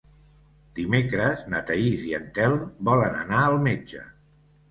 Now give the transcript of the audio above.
Dimecres na Thaís i en Telm volen anar al metge.